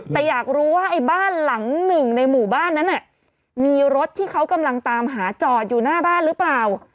แต่อยากรู้ว่าไอ้บ้านหลังหนึ่งในหมู่บ้านนั้นมีรถที่เขากำลังตามหาจอดอยู่หน้าบ้านหรือเปล่า